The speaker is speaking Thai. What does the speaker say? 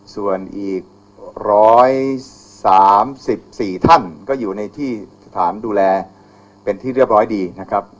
ส่วนอีก๑๓๔ท่านก็อยู่ในที่สถานดูแลเป็นที่เรียบร้อยดีนะครับ